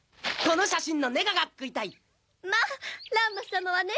この写真のネガが食いたい